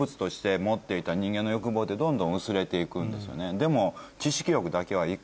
でも。